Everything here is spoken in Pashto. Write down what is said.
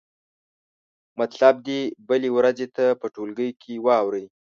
مطلب دې بلې ورځې ته په ټولګي کې واورئ.